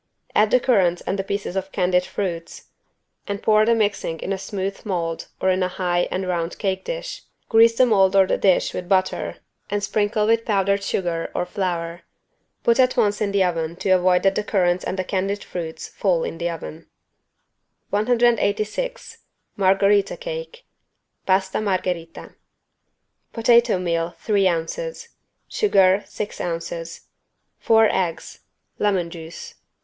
Add the currants and the pieces of candied fruits and pour the mixing in a smooth mold or in a high and round cake dish. Grease the mold or the dish with butter and sprinkle with powdered sugar or flour. Put at once in the oven to avoid that the currants and the candied fruits fall in the oven. 186 MARGHERITA CAKE (Pasta Margherita) Potato meal, three ounces. Sugar, six ounces. Four eggs. Lemon juice.